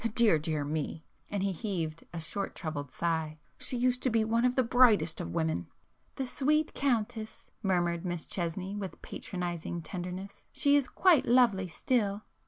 Dear dear me!" and he heaved a short troubled sigh—"She used to be one of the brightest of women!" "The sweet Countess!" murmured Miss Chesney with patronizing tenderness—"She is quite lovely still!"